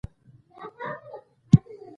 د ګني شیره د زیړي لپاره وکاروئ